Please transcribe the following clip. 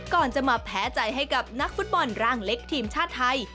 ก่อนจะมาแพ้ใจให้กับนักฟุตบอลร่างเล็กทีมชาติไทย